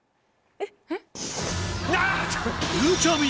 えっ。